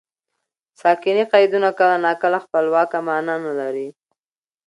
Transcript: ساکني قیدونه کله ناکله خپلواکه مانا نه لري.